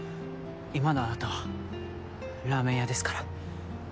今のあなたはラーメン屋ですから。